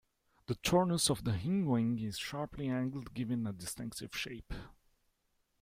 The tornus of the hindwing is sharply angled giving a distinctive shape.